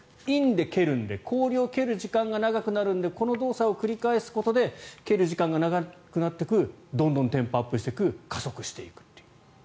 インで蹴るので氷を蹴る時間が長くなるのでこの動作を繰り返すことで蹴る時間が長くなっていくどんどんテンポアップしていく加速していくと。